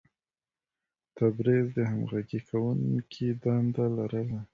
تبریز د همغږي کوونکي دنده لرله.